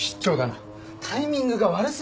タイミングが悪すぎます。